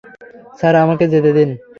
Sir, আমাকে যেতে দিন।